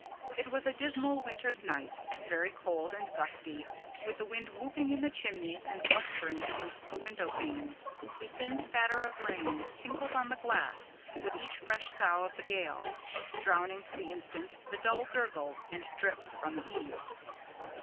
It was a dismal winter's night, very cold and gusty, with the wind whooping in the chimneys and blustering against the window panes. A thin spatter of rain tinkled on the glass with each fresh sough of the gale, drowning for the instant the dull gurgle and drip from the eaves.